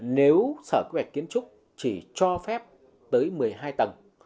nếu sở quy hoạch kiến trúc chỉ cho phép tới một mươi hai tầng